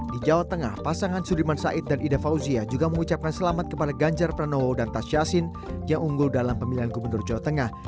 di jawa tengah pasangan sudirman said dan ida fauzia juga mengucapkan selamat kepada ganjar pranowo dan tas yassin yang unggul dalam pemilihan gubernur jawa tengah